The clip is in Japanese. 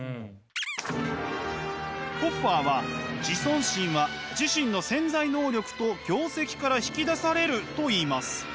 ホッファーは自尊心は自身の潜在能力と業績から引き出されると言います。